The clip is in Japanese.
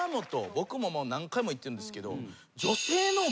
僕も何回も行ってるんですけど。